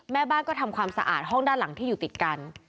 แม่บ้านก็ทำความสะอาดห้องด้านหลังที่อยู่ติดกัน